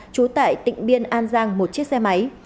trú tại tỉnh biên an giang một chiếc xe máy